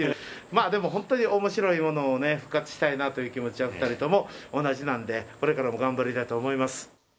まあでもほんとにおもしろいものをね復活したいなという気持ちは２人とも同じなんでこれからも頑張りたいと思います。